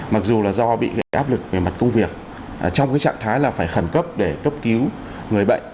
mặc dù là do bị áp lực về mặt công việc trong cái trạng thái là phải khẩn cấp để cấp cứu người bệnh